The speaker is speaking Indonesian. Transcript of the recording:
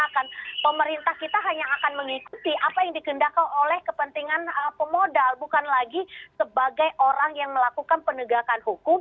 dan itu bukan mengikuti apa yang dikendalikan oleh kepentingan pemodal bukan lagi sebagai orang yang melakukan penegakan hukum